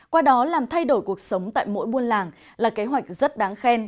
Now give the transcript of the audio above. qua đó làm thay đổi cuộc sống tại mỗi buôn làng là kế hoạch rất đáng khen